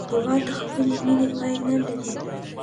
هېواد د خپلې مینې پای نه لري.